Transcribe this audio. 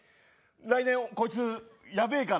来年こいつやべえから。